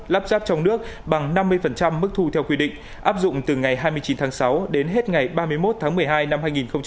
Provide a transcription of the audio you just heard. lắp ráp trong nước bằng năm mươi mức thu theo quy định áp dụng từ ngày hai mươi chín tháng sáu đến hết ngày ba mươi một tháng một mươi hai năm hai nghìn hai mươi